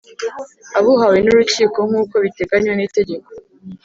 Abuhawe N Urukiko Nk Uko Bitenganywa N Itegeko